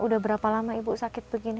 udah berapa lama ibu sakit begini